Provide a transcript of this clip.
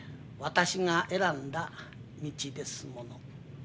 私が選んだ道ですもの」。